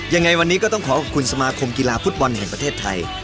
ยังไงวันนี้ก็ต้องขอขอบคุณสมาคมกีฬาฟุตบอลแห่งประเทศไทย